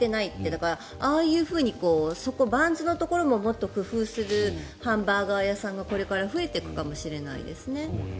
だからああいうふうにバンズのところをもっと工夫するハンバーガー屋さんがこれから増えていくかもしれないですね。